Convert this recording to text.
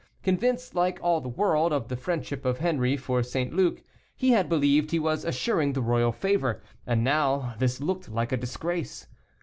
Convinced, like all the world, of the friendship of Henri for St. Luc, he had believed he was assuring the royal favor, and now this looked like a disgrace.